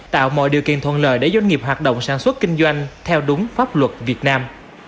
tạo mọi điều kiện thuận lợi để doanh nghiệp hoạt động sản xuất kinh doanh theo đúng pháp luật việt nam